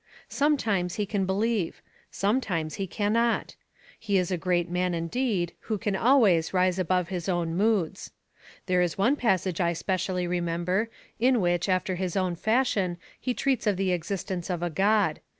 Sometimes he can believe; sometimes he cannot: he is a great man indeed who can always rise above his own moods! There is one passage I specially remember in which after his own fashion he treats of the existence of a God.